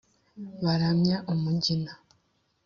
baramya umugina,